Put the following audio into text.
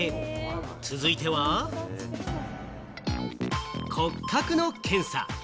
続いては骨格の検査。